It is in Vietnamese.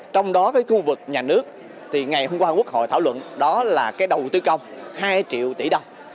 trong đó cái khu vực nhà nước thì ngày hôm qua quốc hội thảo luận đó là cái đầu tư công hai triệu tỷ đồng